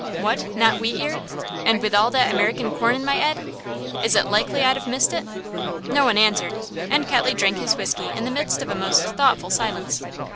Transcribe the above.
"What, not Wheatear, and with all that American corn in my 'ead? Is it likely I'd've missed it?" No one answered, and Ketley drank his whisky in the midst of a most thoughtful silence.